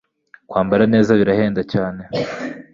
Kwambara neza birahenda cyane